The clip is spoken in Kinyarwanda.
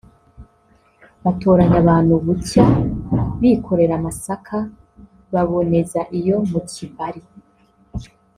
Batoranya abantu bucya bikorera amasaka baboneza iyo mu Kibali